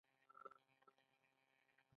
د نجونو تعلیم د کورنۍ پیاوړتیا سبب ګرځي.